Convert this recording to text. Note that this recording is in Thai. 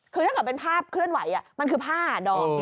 คือถ้าเกิดเป็นภาพเคลื่อนไหวมันคือผ้าดอม